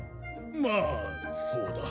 まあそうだ。